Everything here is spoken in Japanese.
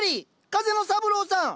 風の三郎さん。